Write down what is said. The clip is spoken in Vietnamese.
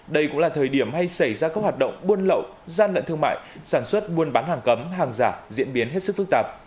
đây cũng là thời điểm hay xảy ra các hoạt động buôn lậu gian lận thương mại sản xuất buôn bán hàng cấm hàng giả diễn biến hết sức phức tạp